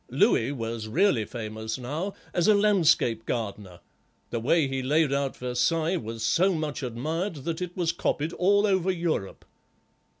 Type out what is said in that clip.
Louis was really famous, now, as a landscape gardener; the way he laid out Versailles was so much admired that it was copied all over Europe."